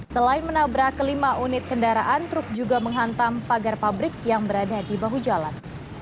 selain menabrak kelima unit kendaraan truk juga menghantam pagar pabrik yang berada di bahu jalan